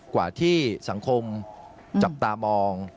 กว่าที่สังคมจับตามอง